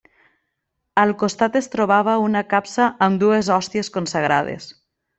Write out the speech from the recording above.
Al costat es trobava una capsa amb dues hòsties consagrades.